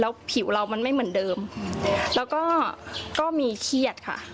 ผิวเรามันไม่เหมือนเดิมแล้วก็ก็มีเครียดค่ะ